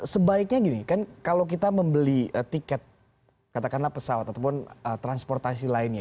sebaiknya gini kan kalau kita membeli tiket katakanlah pesawat ataupun transportasi lainnya